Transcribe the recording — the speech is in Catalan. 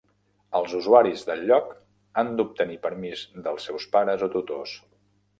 Els usuaris del lloc han d'obtenir permís dels seus pares o tutors.